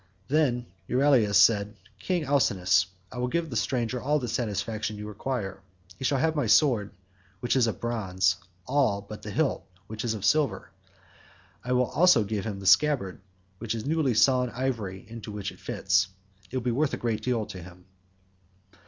Then Euryalus said, "King Alcinous, I will give the stranger all the satisfaction you require. He shall have my sword, which is of bronze, all but the hilt, which is of silver. I will also give him the scabbard of newly sawn ivory into which it fits. It will be worth a great deal to him."